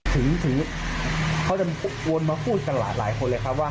ถึงเขาจะวนมาพูดกันหลายคนเลยครับว่า